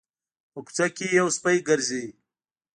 په کوڅه کې یو سپی ګرځي